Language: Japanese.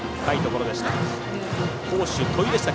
深いところでした。